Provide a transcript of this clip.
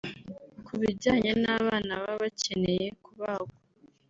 Ku bijyanye n’abana baba bakeneye kubagwa